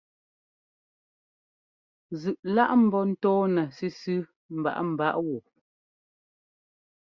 Zʉꞌ lá ḿbɔ́ ńtɔ́ɔnɛ sʉsʉ mbaꞌámbaꞌá wɔ.